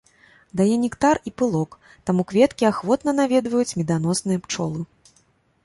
Дае нектар і пылок, таму кветкі ахвотна наведваюць меданосныя пчолы.